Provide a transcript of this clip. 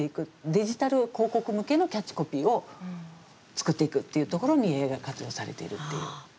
デジタル広告向けのキャッチコピーを作っていくっていうところにＡＩが活用されているっていう。